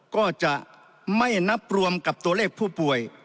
ก็จะไม่นับรวมกับตัวเลขผู้ป่วย